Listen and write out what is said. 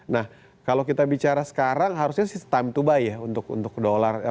nah kalau kita bicara sekarang harusnya sih time to buy ya untuk dolar